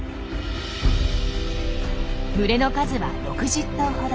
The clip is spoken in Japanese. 群れの数は６０頭ほど。